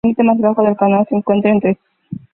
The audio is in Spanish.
El límite más bajo del canal se encuentra entre St.